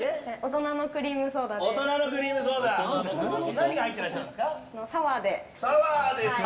何が入ってらっしゃるんですか？